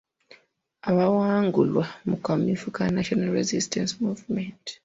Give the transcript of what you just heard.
Abaawangulwa mu kamyufu ka National Resistance Movement.